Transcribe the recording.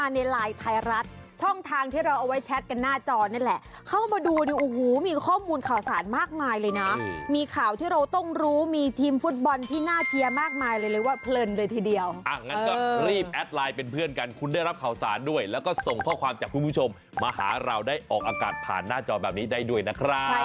ได้ออกอากาศผ่านหน้าจอแบบนี้ได้ด้วยนะครับใช่แล้วค่ะ